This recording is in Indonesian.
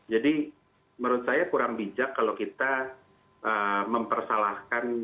jadi menurut saya kurang bijak kalau kita mempersalahkan